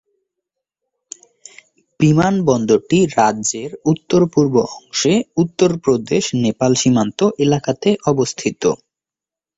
বিমানবন্দরটি রাজ্যের উত্তর-পূর্ব অংশে উত্তরপ্রদেশ- নেপাল সীমান্ত এলাকাতে অবস্থিত।